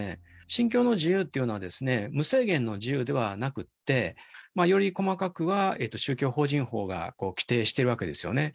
信教の自由っていうのは、無制限の自由ではなくって、より細かくは、宗教法人法が規定してるわけですよね。